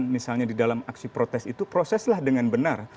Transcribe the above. misalnya di dalam aksi protes itu proseslah dengan benar